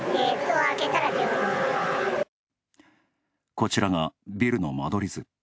こちらがビルの間取り図。